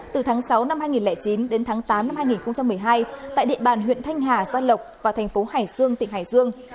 từ tháng sáu năm hai nghìn chín đến tháng tám năm hai nghìn một mươi hai tại địa bàn huyện thanh hà gia lộc và thành phố hải dương tỉnh hải dương